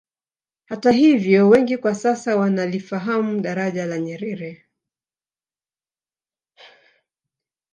Hata hivyo wengi kwa sasa wanalifahamu Daraja la Nyerere